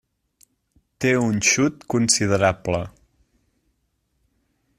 Té un xut considerable.